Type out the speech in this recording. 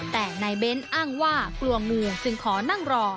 แต่นายเบ้นอ้างว่ากลัวงูจึงขอนั่งรอ